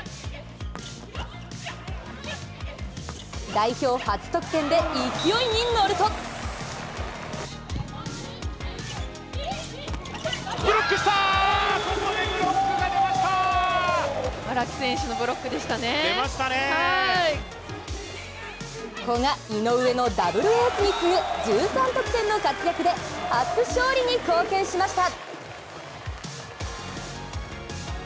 代表初得点で勢いに乗ると古賀、井上のダブルエースに次ぐ１３得点の活躍で初勝利に貢献しました。